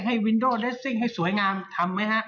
วินโดเลสซิ่งให้สวยงามทำไหมฮะ